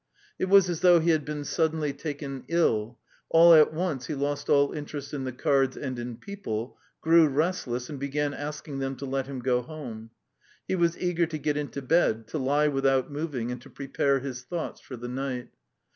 It was as though he had been taken suddenly ill; all at once he lost all interest in the cards and in people, grew restless, and began asking them to let him go home. He was eager to get into bed, to lie without moving, and to prepare his thoughts for the night.